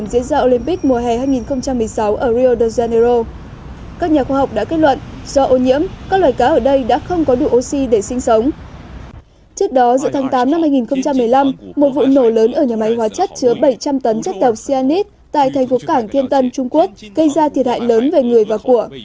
một vụ nổ lớn ở nhà máy hóa chất chứa bảy trăm linh tấn chất tèo cyanide tại thành phố cảng thiên tân trung quốc gây ra thiệt hại lớn về người và của